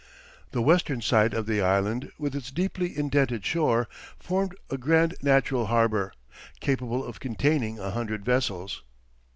The western side of the island, with its deeply indented shore, formed a grand natural harbour, capable of containing a hundred vessels.